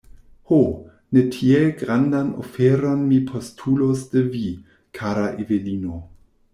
Ho, ne tiel grandan oferon mi postulos de vi, kara Evelino!